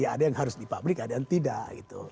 ada yang harus di publik ada yang tidak